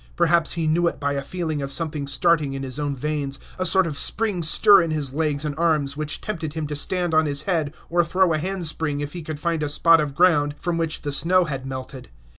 Perhaps he knew it by a feeling of something starting in his own veins, a sort of spring stir in his legs and arms, which tempted him to stand on his head, or throw a handspring, if he could find a spot of ground from which the snow had melted.